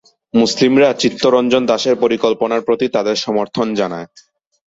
মুসলিমরা চিত্তরঞ্জন দাশের পরিকল্পনার প্রতি তাদের সমর্থন জানায়।